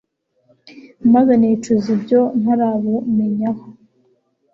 maze nicuza ibyo ntarabumenyaho